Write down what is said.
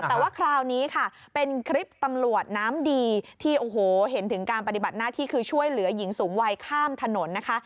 แต่ว่าคราวนี้ค่ะเป็นคลิปตำรวจน้ำดีที่โอ้โหเห็นถึงการปฏิบัติหน้าที่คือช่วยเหลือหญิงสูงวัยข้ามถนนนะคะ